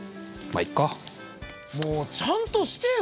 もうちゃんとしてよ。